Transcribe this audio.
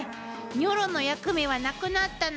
ニョロの役目はなくなったの。